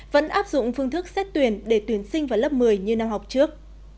vẫn áp dụng phương thức xét tuyển để tuyển sinh vào lớp một mươi như năm học trước